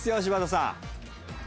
柴田さん。